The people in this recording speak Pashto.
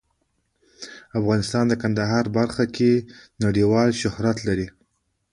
افغانستان د کندهار په برخه کې نړیوال شهرت لري.